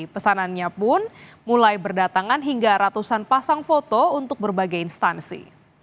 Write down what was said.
pesanannya pun mulai berdatangan hingga ratusan pasang foto untuk berbagai instansi